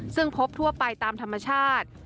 ซึ่งพบทั่วไปตามธรรมชาติ